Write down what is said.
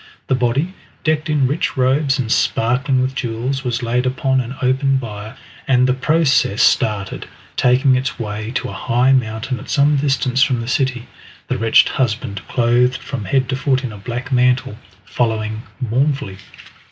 The body, decked in rich robes and sparkling with jewels, was laid upon an open bier, and the procession started, taking its way to a high mountain at some distance from the city, the wretched husband, clothed from head to foot in a black mantle, following mournfully.